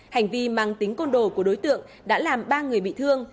hành vi mang tính côn đồ của đối tượng đã làm ba người bị thương